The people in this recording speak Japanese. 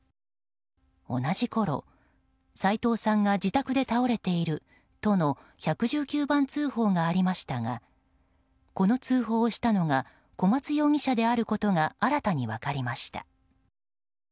同じころ、斎藤さんが自宅で倒れているとの１１９番通報がありましたがこの通報をしたのが小松容疑者であることが新たに分かりました。